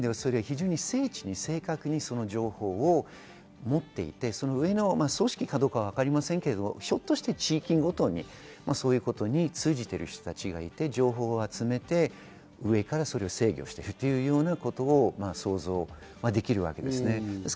精緻に正確に、その情報を持っていて、上の組織かどうかわかりませんが、地域ごとにそういうことに通じている人たちがいて、情報を集めて上からそれを制御していくというようなのことを想像できます。